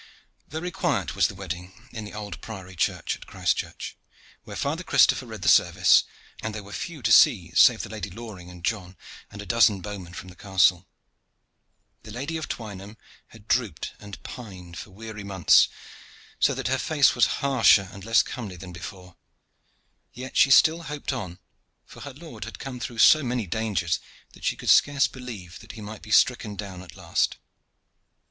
Very quiet was the wedding in the old priory church at Christchurch, where Father Christopher read the service, and there were few to see save the Lady Loring and John, and a dozen bowmen from the castle. The Lady of Twynham had drooped and pined for weary months, so that her face was harsher and less comely than before, yet she still hoped on, for her lord had come through so many dangers that she could scarce believe that he might be stricken down at last.